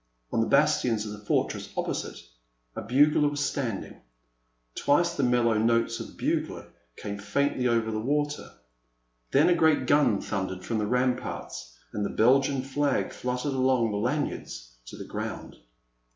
On the bastions of the fortress oppo site a bugler was standing. Twice the mellow notes of the bugle came faintly over the water, 356 The Man at the Next Table. 357 then a great gun thundered from the ramparts, and the Belgian flag fluttered along the lanyards to the ground.